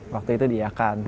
waktu itu diiakan